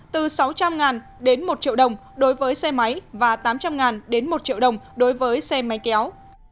từ sáu trăm linh đến một triệu đồng đối với xe máy và tám trăm linh đến một triệu đồng đối với xe máy kéo